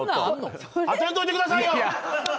当てんといてくださいよ！